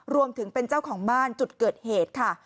รวมถึงเป็นเจ้าของบ้านจุดเกิดเหตุค่ะ